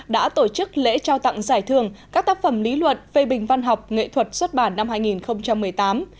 đã tổ chức lễ trao tặng giải thưởng các tác phẩm lý luận phê bình văn học nghệ thuật xuất bản năm hai nghìn một mươi tám